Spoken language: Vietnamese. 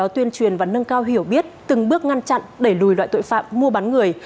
truyền và nâng cao hiểu biết từng bước ngăn chặn để lùi loại tội phạm mua bán người